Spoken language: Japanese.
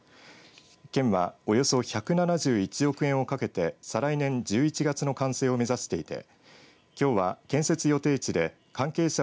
県は、およそ１７１億円をかけて再来年１１月の完成を目指していてきょうは、建設予定地で関係者